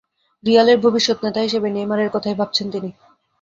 রিয়ালের ভবিষ্যৎ নেতা হিসেবে নেইমারের কথাই ভাবছেন তিনি।